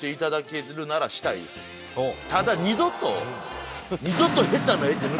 ただ二度と。